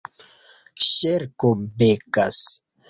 Ŝerko Bekas